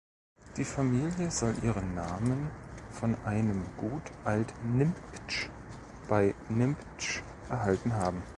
Die Familie soll ihren Namen von einem Gut Alt-Nimptsch bei Nimptsch erhalten haben.